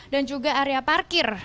dan juga area parkir